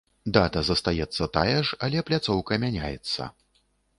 Дата застаецца тая ж, але пляцоўка мяняецца.